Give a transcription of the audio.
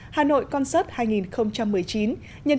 hà nội concert hai nghìn một mươi chín